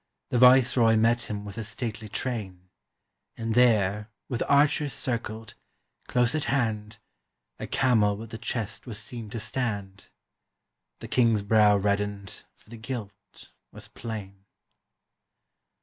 The viceroy met him with a stately train. And there, with archers circled, close at hand, A camel with the chest was seen to stand: The king's brow reddened, for the guilt was plain.